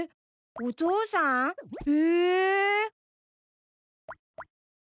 お父さん？え！？